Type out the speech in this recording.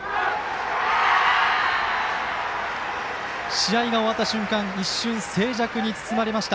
試合が終わった瞬間一瞬、静寂に包まれました。